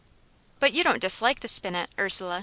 "But you don't dislike the spinet, Ursula?